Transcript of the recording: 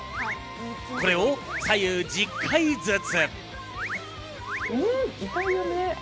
これを左右１０回ずつ。